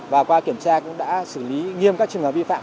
và qua kiểm tra cũng đã xử lý nghiêm các trường hợp vi phạm